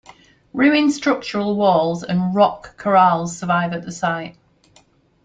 Ruined structural walls and rock corrals survive at the site.